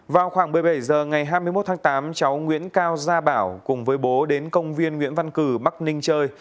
vào khoảng một mươi bảy h ngày hai mươi một tháng tám cháu nguyễn cao gia bảo cùng với bố đến công viên nguyễn văn cử bắc ninh chơi